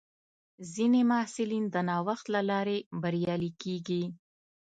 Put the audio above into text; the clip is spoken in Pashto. ځینې محصلین د نوښت له لارې بریالي کېږي.